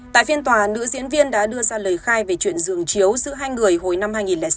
tại phiên tòa nữ diễn viên đã đưa ra lời khai về chuyện dường chiếu giữa hai người hồi năm hai nghìn sáu